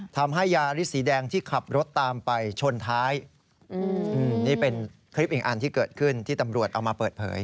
ทำให้ยาริสสีแดงที่ขับรถตามไปชนท้ายนี่เป็นคลิปอีกอันที่เกิดขึ้นที่ตำรวจเอามาเปิดเผย